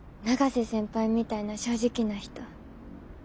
永瀬先輩みたいな正直な人